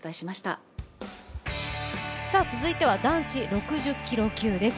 続いては男子６０キロ級です。